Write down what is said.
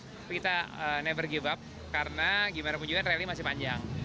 tapi kita never gyp up karena gimana pun juga rally masih panjang